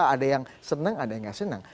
ada yang seneng ada yang nggak seneng